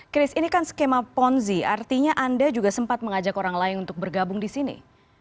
chris ini kan skema ponzi artinya anda juga sempat mengajak orang lain untuk bergabung di sini